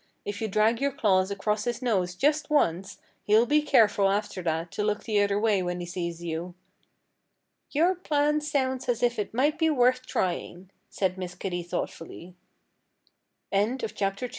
If you drag your claws across his nose just once he'll be careful after that to look the other way when he sees you." "Your plan sounds as if it might be worth trying," said Miss Kitty thoughtfully. III A WILD DOG Old dog Spot felt greatly